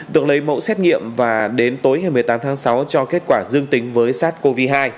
được lấy mẫu xét nghiệm và đến tối ngày một mươi tám tháng sáu cho kết quả dương tính với sars cov hai